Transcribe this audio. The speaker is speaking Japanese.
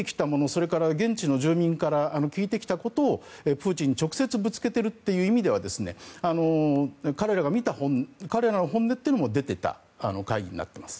それから、現地の住民から聞いてきたことをプーチンに直接ぶつけているという意味では彼らの本音というのも出てた会議になります。